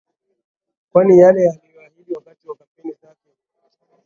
kwani yale aliyoahidi wakati wa kampeni zake